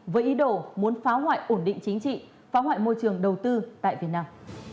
với ý đồ muốn phá hoại ổn định chính trị phá hoại môi trường đầu tư tại việt nam